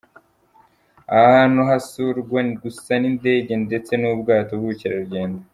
Aha hantu hasurwa gusa n’indege ndetse n’ubwato by’ubukerarugendo.